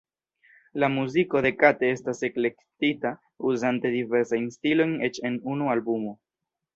La muziko de Kate estas eklektika, uzante diversajn stilojn eĉ en unu albumo.